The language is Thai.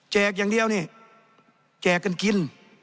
อย่างเดียวนี่แจกกันกิน